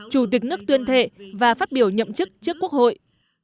chủ tịch nước tuyên thệ và phát biểu nhậm chức trước quốc hội